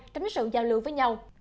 chấm với sự giao lưu với nhau